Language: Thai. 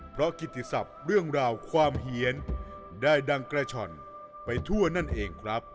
เพราะกิติศัพท์เรื่องราวความเหี้ยนได้ดังกระช่อนไปทั่วนั่นเองครับ